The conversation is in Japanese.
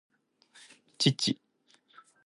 父